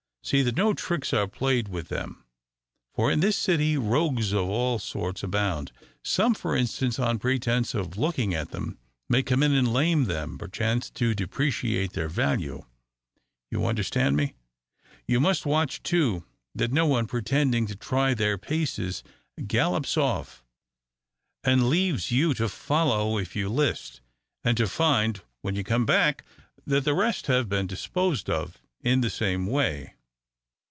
See that no tricks are played with them; for in this city rogues of all sorts abound. Some, for instance, on pretence of looking at them, may come in and lame them, perchance to depreciate their value; you understand me? You must watch, too, that no one, pretending to try their paces, gallops off, and leaves you to follow if you list, and to find, when you come back, that the rest have been disposed of in the same way."